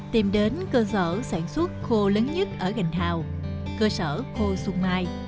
tìm đến cơ sở sản xuất khô lớn nhất ở gành hào cơ sở khô xuân mai